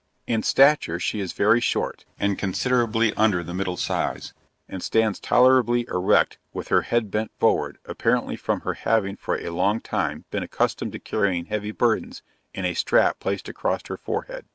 In stature she is very short, and considerably under the middle size, and stands tolerably erect, with her head bent forward, apparently from her having for a long time been accustomed to carrying heavy burdens in a strap placed across her forehead.